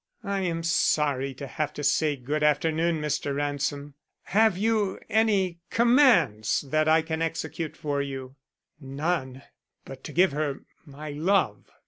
"I am sorry to have to say good afternoon, Mr. Ransom. Have you any commands that I can execute for you?" "None but to give her my love.